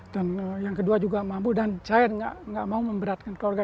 dan yang kedua juga mampu dan saya nggak mau memberatkan keluarga